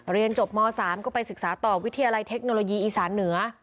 เรียนจบม๓ก็ไปศึกษาต่อวิทยาลัยเทคโนโลยีอีสานเหนือ